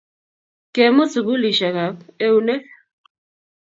Kemut sukulisiekap eunek